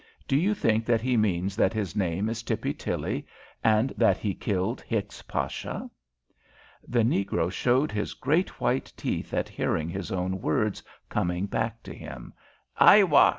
"Do you think that he means that his name is Tippy Tilly, and that he killed Hicks Pasha?" The negro showed his great white teeth at hearing his own words coming back to him. "Aiwa!"